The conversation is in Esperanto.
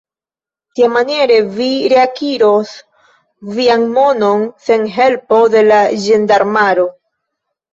Tiamaniere, vi reakiros vian monon, sen helpo de la ĝendarmaro.